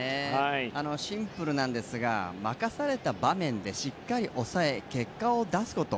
シンプルなんですが任された場面でしっかり抑え、結果を出すこと。